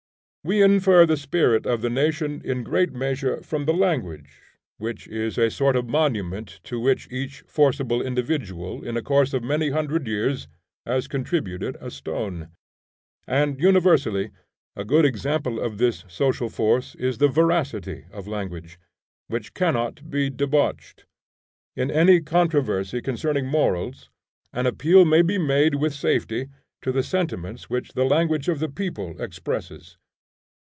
We infer the spirit of the nation in great measure from the language, which is a sort of monument to which each forcible individual in a course of many hundred years has contributed a stone. And, universally, a good example of this social force is the veracity of language, which cannot be debauched. In any controversy concerning morals, an appeal may be made with safety to the sentiments which the language of the people expresses.